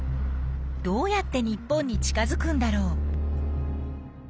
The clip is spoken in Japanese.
どうやって日本に近づくんだろう？